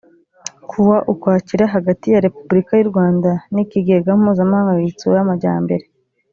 kuwa ukwakira hagati ya repubulika y u rwanda n ikigega mpuzamahanga gitsura amajyambere